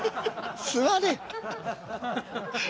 座れ。